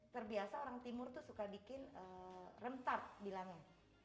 terbiasa orang timur tuh suka bikin rem tart bilangnya